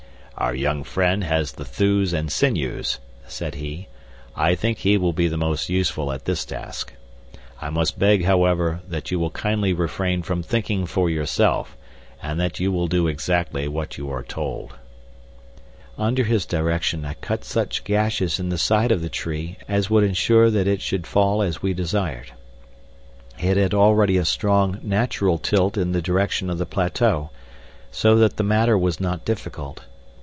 "Our young friend has the thews and sinews," said he. "I think he will be the most useful at this task. I must beg, however, that you will kindly refrain from thinking for yourself, and that you will do exactly what you are told." Under his direction I cut such gashes in the sides of the trees as would ensure that it should fall as we desired. It had already a strong, natural tilt in the direction of the plateau, so that the matter was not difficult.